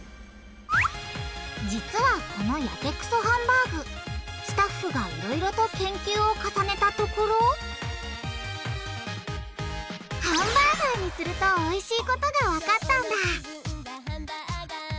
実はこのやけくそハンバーグスタッフがいろいろと研究を重ねたところハンバーガーにするとおいしいことがわかったんだ！